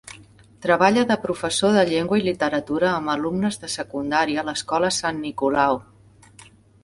Treballa de professor de llengua i literatura amb alumnes de secundària a l'Escola Sant Nicolau.